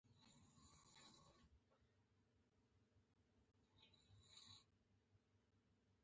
کومي، مرۍ او معده هم پکې شامل دي.